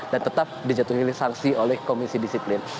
dan tetap dijatuhi saksi oleh komisi disiplin